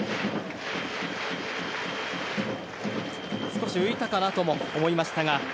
少し浮いたかなとも思いましたが。